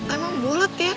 emang bulet ya